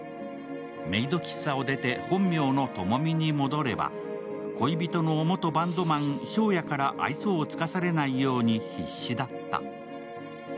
メイド喫茶を出て本名の友美に戻れば恋人の元バンドマン、翔也から愛想を尽かされないように必死だった。